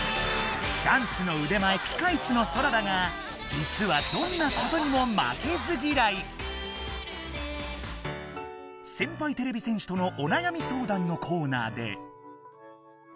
ダンスのうで前ピカイチのソラだがじつはセンパイてれび戦士とのおなやみ相談のコーナーで。